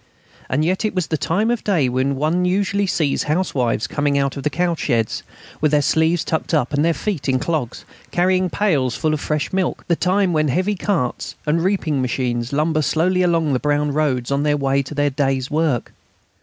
And yet it was the time of day when one usually sees housewives coming out of the cowsheds, with their sleeves tucked up and their feet in clogs, carrying pails full of fresh milk the time when the heavy carts and reaping machines lumber slowly along the brown roads on their way to the day's work.